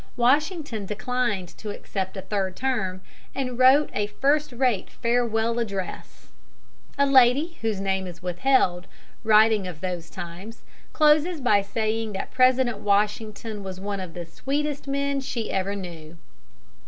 Washington declined to accept a third term, and wrote a first rate farewell address. A lady, whose name is withheld, writing of those times, closes by saying that President Washington was one of the sweetest men she ever knew.